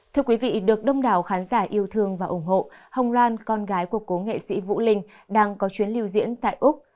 thưa quý vị được đông đảo khán giả yêu thương và ủng hộ hồng loan con gái của cố nghệ sĩ vũ linh đang có chuyến lưu diễn tại úc